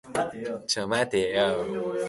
中国の経済の中枢都市は上海である